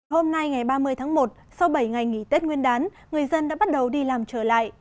hôm nay ngày ba mươi tháng một sau bảy ngày nghỉ tết nguyên đán người dân đã bắt đầu đi làm trở lại